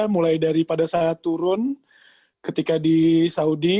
mulai dari pada saat turun ketika di saudi